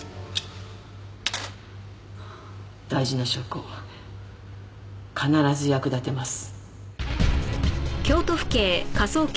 大事な証拠必ず役立てます。